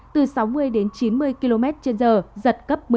từ sáu mươi đến chín mươi km trên giờ giật cấp một mươi